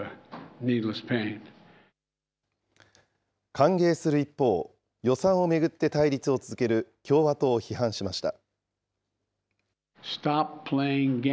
歓迎する一方、予算を巡って対立を続ける共和党を批判しました。